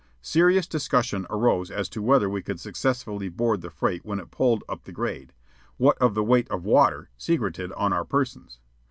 Serious discussion arose as to whether we could successfully board the freight when it pulled up the grade, what of the weight of water secreted on our persons.